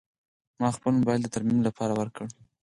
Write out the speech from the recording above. ما خپل موبایل د ترمیم لپاره ورکړ.